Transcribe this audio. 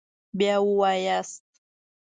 بیا ووایاست